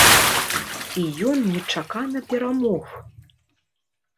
І ён нечакана перамог.